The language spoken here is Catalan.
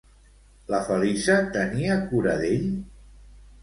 La Feliça tenia cura d'ell?